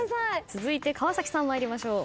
続いて川さん参りましょう。